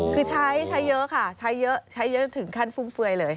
คือใช้ใช้เยอะค่ะใช้เยอะใช้เยอะถึงขั้นฟุ่มเฟือยเลย